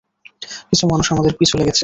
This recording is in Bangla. কিছু মানুষ আমাদের পিছু লেগেছে।